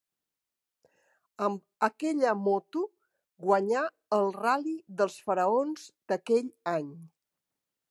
Amb aquella moto guanyà el Ral·li dels Faraons d'aquell any.